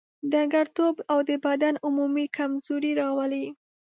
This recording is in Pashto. ډنګرتوب او د بدن عمومي کمزوري راولي.